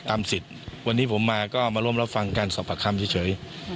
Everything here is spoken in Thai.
สิทธิ์วันนี้ผมมาก็มาร่วมรับฟังการสอบประคำเฉย